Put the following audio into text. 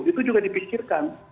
itu juga dipikirkan